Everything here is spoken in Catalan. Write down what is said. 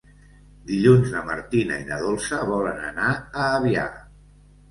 Dilluns na Martina i na Dolça volen anar a Avià.